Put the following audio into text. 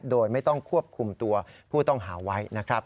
โดยไม่ต้องควบคุมตัวผู้ต้องหาไว้นะครับ